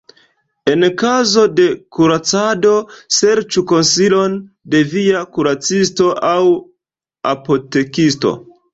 En kazo de kuracado, serĉu konsilon de via kuracisto aŭ apotekisto.